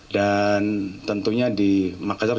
dan tentunya di makassar